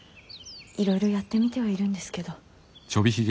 いろいろやってみてはいるんですけど。